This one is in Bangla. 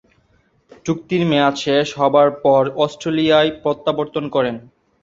চুক্তির মেয়াদ শেষ হবার পর অস্ট্রেলিয়ায় প্রত্যাবর্তন করেন।